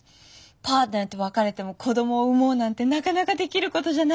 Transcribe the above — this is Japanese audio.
パートナーと別れても子供を産もうなんてなかなかできることじゃないし。